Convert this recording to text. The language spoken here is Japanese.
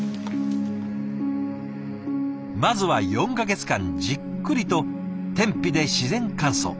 まずは４か月間じっくりと天日で自然乾燥。